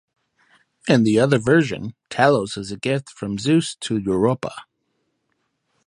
In the other version, Talos is a gift from Zeus to Europa.